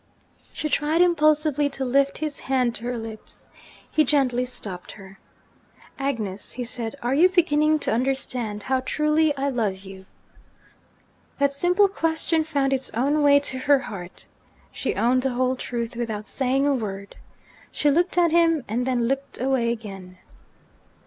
She tried impulsively to lift his hand to her lips. He gently stopped her. 'Agnes,' he said, 'are you beginning to understand how truly I love you?' That simple question found its own way to her heart. She owned the whole truth, without saying a word. She looked at him and then looked away again.